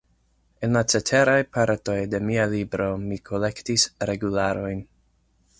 En la ceteraj partoj de mia libro mi kolektis regularojn.